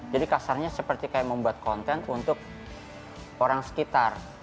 jadi kasarnya seperti kayak membuat konten untuk orang sekitar